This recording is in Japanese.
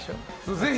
ぜひ。